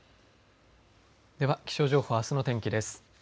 では気象情報あすの天気です。